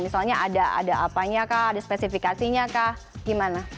misalnya ada apanya kak ada spesifikasinya kak gimana